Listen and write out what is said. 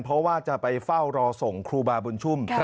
เพราะว่าจะไปเฝ้ารอส่งครูบาบุญชุ่ม